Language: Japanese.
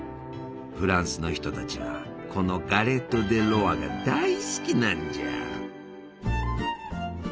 フランスの人たちはこのガレット・デ・ロワが大好きなんじゃ！